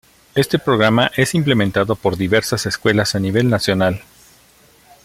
Este programa es implementado por diversas escuelas a nivel nacional.